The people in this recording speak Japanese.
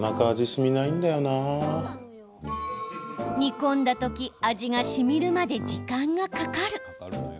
煮込んだ時味がしみるまで時間がかかる。